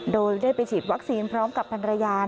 โดยได้ไปฉีดวัคซีนพร้อมกับพันรยา